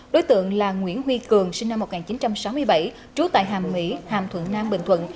đối tượng là nguyễn huy cường sinh năm một nghìn chín trăm sáu mươi bảy trú tại hàm mỹ hàm thuận nam bình thuận